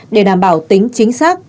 để đảm bảo tính chính xác